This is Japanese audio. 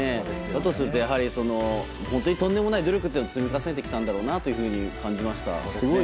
だとすると、やはり本当にとんでもない努力を積み重ねてきたんだろうなと感じました。